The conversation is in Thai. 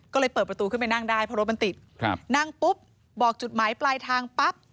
ก็เลยเปิดประตูขึ้นไปนั่งได้เพราะรถมันติดครับนั่งปุ๊บบอกจุดหมายปลายทางปั๊บ